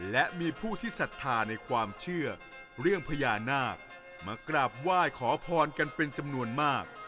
และมีผู้ที่ศรัทธาในความเชื่อเรื่องพญานาคมากราบไหว้ขอพรกันเป็นจำนวนมาก